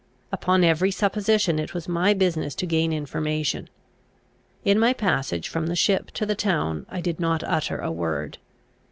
Upon every supposition, it was my business to gain information. In my passage from the ship to the town I did not utter a word.